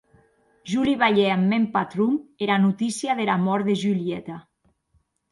Jo li balhè ath mèn patron era notícia dera mòrt de Julieta.